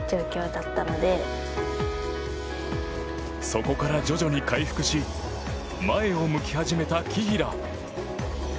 そこから徐々に回復し前を向き始めた紀平。